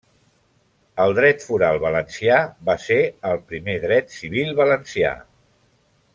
El dret foral valencià va ser el primer dret civil valencià.